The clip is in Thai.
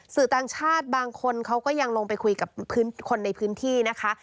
สื่อต่างชาติบางคนเขาก็ยังลงไปคุยกับคนในพื้นที่นะคะ